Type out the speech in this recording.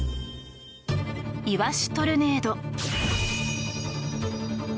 イワシトルネード。